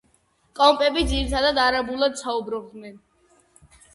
კოპტები ძირითადად არაბულად საუბრობენ.